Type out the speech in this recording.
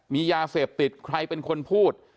มียาเสพติดใครเป็นคนพูด